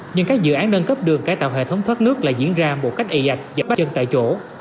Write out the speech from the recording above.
nhưng các dự án nâng cấp đường cải tạo hệ thống thoát nước lại diễn ra một cách ị dạch và bắt chân tại chỗ